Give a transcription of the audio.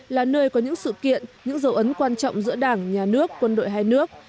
là nơi có những sự kiện những dấu ấn quan trọng giữa đảng nhà nước quân đội hai nước